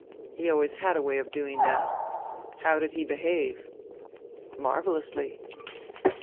He always had a way of doing that. How did he behave?" "Marvelously."